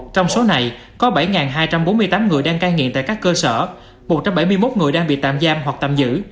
trong số này có bảy hai trăm bốn mươi tám người đang cai nghiện tại các cơ sở một trăm bảy mươi một người đang bị tạm giam hoặc tạm giữ